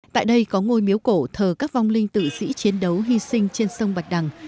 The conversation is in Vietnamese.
tại đây có ngôi miếu cổ thờ các vong linh tự sĩ chiến đấu hy sinh trên sông bạch đằng